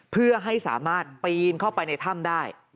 เพื่อให้สามารถปีนเข้าไปในถ้ำได้